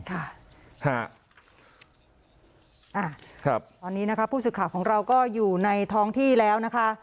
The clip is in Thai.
ตอนนี้นะครับผู้ศึกข่าวของเราก็อยู่ในท้องที่แล้วนะคะ